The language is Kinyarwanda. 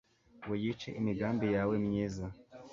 ngo yice imigambi yawe myiza